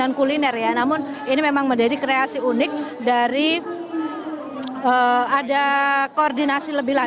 itu polisi yang baru terjebak ya mana biasa sekalian di mana biasa sekalian di mana biasa